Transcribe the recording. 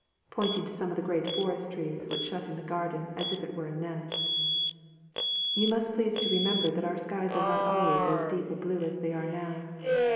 pointing to some of the great forest trees which shut in the garden as if it were a nest. "You must please to remember that our skies are not always as deep a blue as they are now.